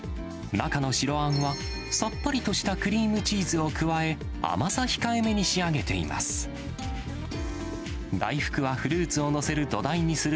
中の白あんは、さっぱりとしたクリームチーズを加え、甘さ控えめに仕上げています。